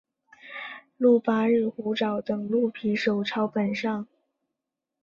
鹿八日虎爪等鹿皮手抄本上。